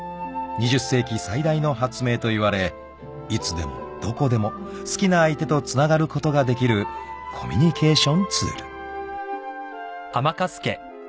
［２０世紀最大の発明といわれいつでもどこでも好きな相手とつながることができるコミュニケーションツール］